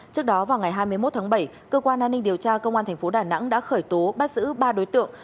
trước đó vào ngày hai mươi một tháng bảy cơ quan an ninh điều tra công an thành phố đà nẵng đã khởi tố bắt giữ ba đối tượng